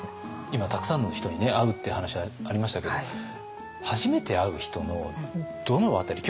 今たくさんの人に会うって話がありましたけども初めて会う人のどの辺り。